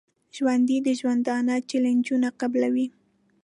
ژوندي د ژوندانه چیلنجونه قبلوي